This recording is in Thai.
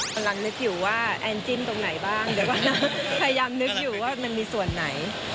กำลังนึกอยู่ว่าแอนจิ้มตรงไหนบ้างเดี๋ยวก็พยายามนึกอยู่ว่ามันมีส่วนไหน